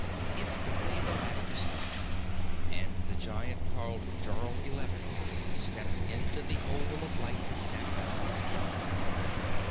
Instantly, the laughter stopped, and the Giant called Jarl Eleven stepped into the oval of light and sat down beside them.